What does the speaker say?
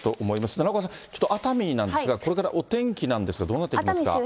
奈良岡さん、ちょっと熱海なんですが、これからお天気なんですが、どうなっていくんですか。